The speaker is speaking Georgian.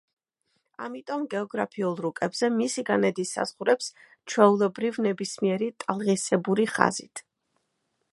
ამიტომ გეოგრაფიულ რუკებზე მისი განედის საზღვრებს ჩვეულებრივ ნებისმიერი ტალღისებური ხაზით.